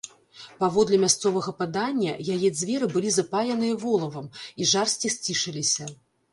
Паводле мясцовага падання, яе дзверы былі запаяныя волавам, і жарсці сцішыліся.